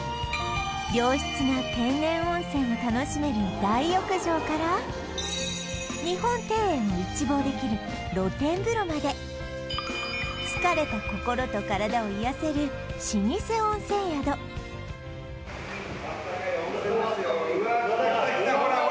良質な天然温泉を楽しめる大浴場から日本庭園を一望できる露天風呂まで疲れた心と体を癒やせる老舗温泉宿あったかい温泉ですよ